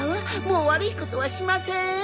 もう悪いことはしませーん！